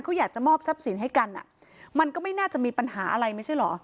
เขาอยากจะมอบทรัพย์สินให้กันอ่ะมันก็ไม่น่าจะมีปัญหาอะไรไม่ใช่เหรอ